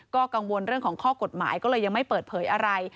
ก็กังวลเรื่องของข้อกฎหมายก็เลยยังไม่เปิดเผยอะไร